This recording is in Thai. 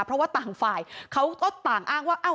เพราะว่าต่างฝ่ายเขาก็ต่างอ้างว่า